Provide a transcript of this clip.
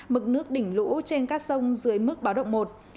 mực nước đỉnh lũ trên các sông dưới mức báo động một